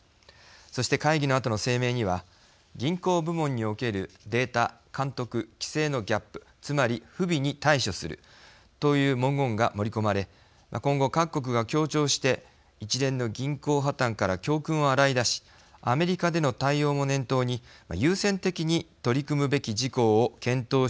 そして会議のあとの声明には銀行部門におけるデータ監督規制のギャップつまり不備に対処するという文言が盛り込まれ今後各国が協調して一連の銀行破綻から教訓を洗いだしアメリカでの対応も念頭に優先的に取り組むべき事項を検討していくことになりました。